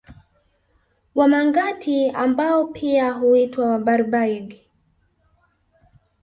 Wamangati ambao pia huitwa Wabarbaig